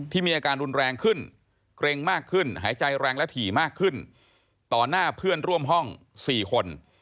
มีอาการรุนแรงขึ้นเกร็งมากขึ้นหายใจแรงและถี่มากขึ้นต่อหน้าเพื่อนร่วมห้อง๔คน